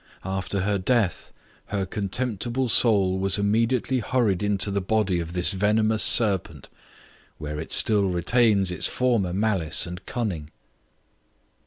After her death her contemptible soul was immediately hurried into the body of this venomous serpent, where it still retains its former malice and cunning."